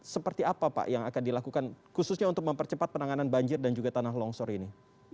seperti apa pak yang akan dilakukan khususnya untuk mempercepat penanganan banjir dan juga tanah longsor ini